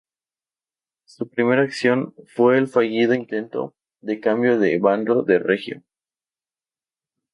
Su primera acción fue el fallido intento de cambio de bando de Reggio.